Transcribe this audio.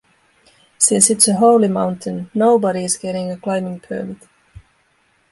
Since it's a holy mountain, nobody is getting a climbing permit.